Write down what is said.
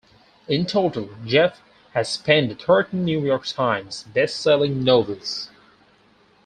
In total, Jeff has penned thirteen "New York Times" bestselling novels.